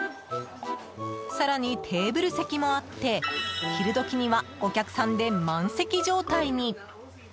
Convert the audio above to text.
更にテーブル席もあって昼時には、お客さんで満席状態に。